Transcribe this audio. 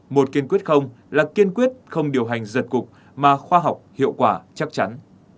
một kiên quyết không là kiên quyết không điều hành giật cục mà khoa học hiệu quả chắc chắn